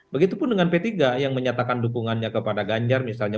begitupun dengan p tiga yang menyatakan dukungannya kepada ganjar misalnya